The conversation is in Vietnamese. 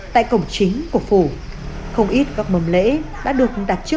tại cổng chính của phủ không ít các mầm lễ đã được đặt trước